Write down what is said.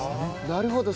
なるほど！